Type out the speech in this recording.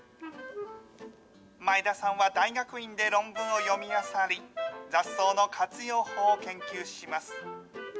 前田さんは大学院で論文を読みあさり、雑草の活用法を研究します。